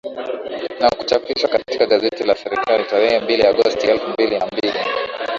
na kuchapishwa katika gazeti la Serikali tarehe mbili Agosti elfu mbili na mbili